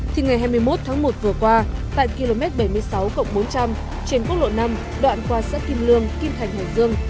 thì ngày hai mươi một tháng một vừa qua tại km bảy mươi sáu bốn trăm linh trên quốc lộ năm đoạn qua xã kim lương kim thành hải dương